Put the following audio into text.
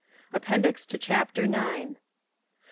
_ APPENDIX TO CHAPTER IX 1.